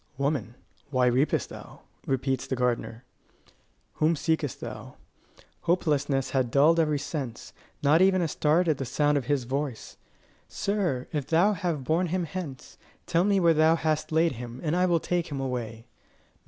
"Woman, why weepest thou?" repeats the gardener. "Whom seekest thou?" Hopelessness had dulled every sense: not even a start at the sound of his voice! "Sir, if thou have borne him hence, tell me where thou hast laid him, and I will take him away."